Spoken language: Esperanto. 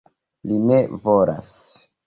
Li ne volas...